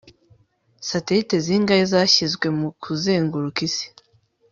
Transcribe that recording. satelite zingahe zashyizwe mu kuzenguruka isi